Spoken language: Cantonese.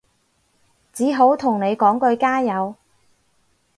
只好同你講句加油